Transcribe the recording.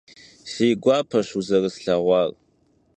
Si guapeş vuzerıslheğuar.